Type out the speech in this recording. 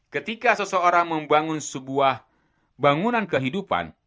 ketika seseorang membangun sebuah bangunan kehidupan